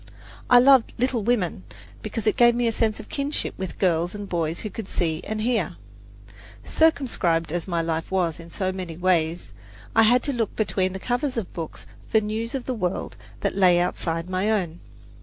I loved "Little Women" because it gave me a sense of kinship with girls and boys who could see and hear. Circumscribed as my life was in so many ways, I had to look between the covers of books for news of the world that lay outside my own.